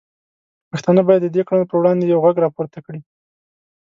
پښتانه باید د دې کړنو پر وړاندې یو غږ راپورته کړي.